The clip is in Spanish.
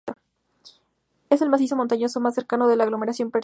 Es el macizo montañoso más cercano a la aglomeración parisina.